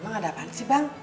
emang ada apaan sih bang